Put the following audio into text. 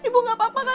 ya allah mbak ayesa